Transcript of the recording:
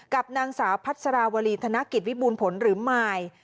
กับนางสาวพัสราวรีธนกิจวิบูรณผลหรือมาย